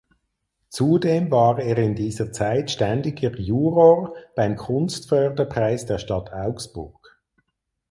Zudem war er in dieser Zeit ständiger Juror beim Kunstförderpreis der Stadt Augsburg.